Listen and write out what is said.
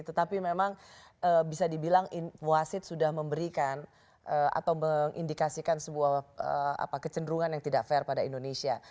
tetapi memang bisa dibilang wasit sudah memberikan atau mengindikasikan sebuah kecenderungan yang tidak fair pada indonesia